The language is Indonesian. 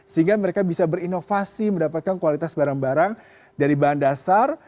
sehingga mereka bisa berinovasi mendapatkan kualitas barang barang dari bahan dasar